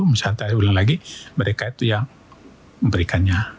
misalnya tadi ulang lagi mereka itu yang memberikannya